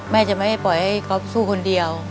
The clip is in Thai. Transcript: จะไม่ปล่อยให้ก๊อฟสู้คนเดียว